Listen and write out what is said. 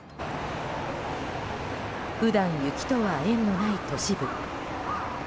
普段、雪とは縁のない都市部。